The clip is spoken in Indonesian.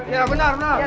iya benar benar